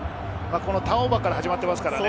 ターンオーバーから始まっていますからね。